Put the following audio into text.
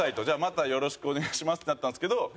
「じゃあまたよろしくお願いします」ってなったんですけど